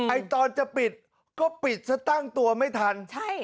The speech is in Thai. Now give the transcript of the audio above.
ตอนจะปิดก็ปิดซะตั้งตัวไม่ทัน